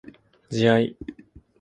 自愛